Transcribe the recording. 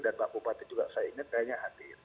dan kabupaten juga saya ingat